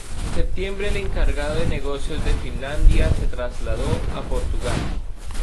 En septiembre el encargado de negocios de Finlandia se trasladó a Portugal.